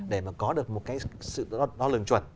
để mà có được một cái sự đo lường chuẩn